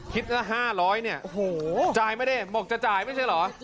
คิดละ๕๐๐เนี่ยจ่ายไม่ได้บอกจะจ่ายไม่ใช่เหรอ